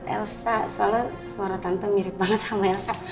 elsa soalnya suara tante mirip banget sama elsa